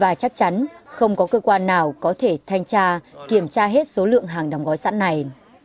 và chắc chắn không có cơ quan nào có thể thanh tra kiểm tra hết số lượng hàng đóng gói sẵn này